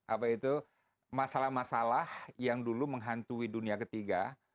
apa itu masalah masalah yang dulu menghantui dunia ketiga